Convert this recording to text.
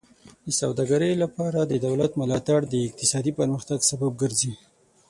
د سوداګرۍ لپاره د دولت ملاتړ د اقتصادي پرمختګ سبب ګرځي.